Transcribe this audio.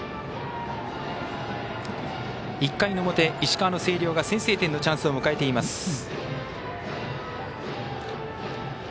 １回の表石川の星稜が先制点のチャンスを迎えています。